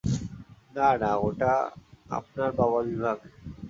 না, না, ওটা আপনার বাবার বিভাগ।